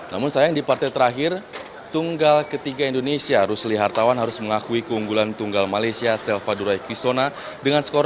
namun sayang di partai terakhir tunggal ketiga indonesia rusli hartawan harus mengakui keunggulan tunggal malaysia selvadurai kisona dengan skor dua puluh tiga dua puluh satu